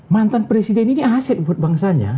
mantan presiden ini aset buat bangsanya